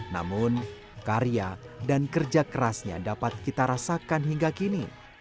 namun karya dan kerja kerasnya dapat kita rasakan hingga kini